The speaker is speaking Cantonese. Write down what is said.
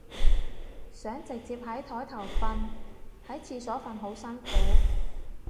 想直接喺枱頭瞓，喺廁所瞓好辛苦